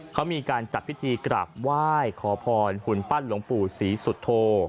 เขามีการจัดพิธีกราบไหว้ขอพรหุ่นปั้นหลวงปู่ศรีสุโธ